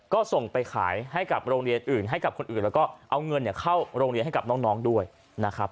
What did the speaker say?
ก็ส่งไปขายให้กับโรงเรียนอื่นให้กับคนอื่นแล้วก็เอาเงินเข้าโรงเรียนให้กับน้องด้วยนะครับ